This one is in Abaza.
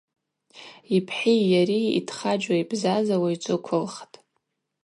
Йпхӏи йари йтхаджьуа йбзазауа йджвыквылхтӏ.